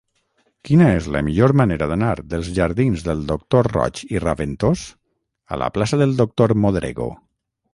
Quina és la millor manera d'anar dels jardins del Doctor Roig i Raventós a la plaça del Doctor Modrego?